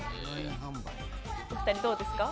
お二人どうですか？